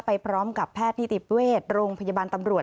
พร้อมกับแพทย์นิติเวชโรงพยาบาลตำรวจ